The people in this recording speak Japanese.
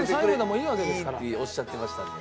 いいっておっしゃってましたんで。